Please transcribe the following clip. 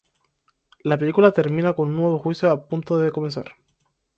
La película termina con un nuevo juicio a punto de comenzar.